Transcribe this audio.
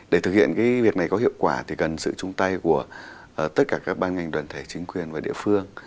để thực hiện cái việc này có hiệu quả thì cần sự chung tay của tất cả các ban ngành đoàn thể chính quyền và địa phương